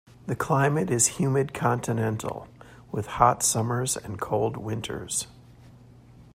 The climate is humid continental, with hot summers and cold winters.